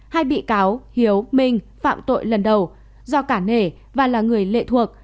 hai bị cáo hiếu minh phạm tội lần đầu do cả nể và là người lệ thuộc